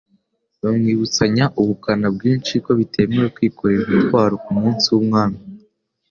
Bamwibutsanya ubukana bwinshi ko bitemewe kwikorera umutwaro ku munsi w'Umwami.